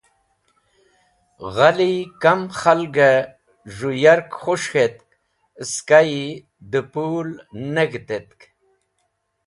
Ghali kam khalgẽ z̃hũ yark khus̃h k̃hetk skayi dẽ pũl ne g̃hẽtetk.